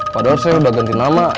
padahal saya sudah ganti nama